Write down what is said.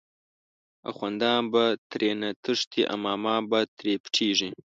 اخوندان به ترینه تښتی، امامان به تری پټیږی